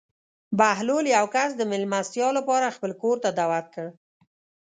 بهلول یو کس د مېلمستیا لپاره خپل کور ته دعوت کړ.